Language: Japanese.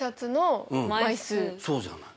そうじゃない？